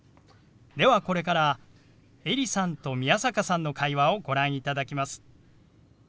ではこれからエリさんと宮坂さんの会話をご覧いただきます。